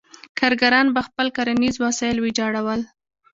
کارګران به خپل کرنیز وسایل ویجاړول.